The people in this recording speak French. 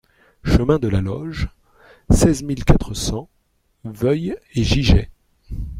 Chemin de la Loge, seize mille quatre cents Vœuil-et-Giget